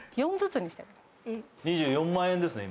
２４万円ですね